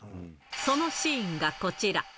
そのシーンがこちら。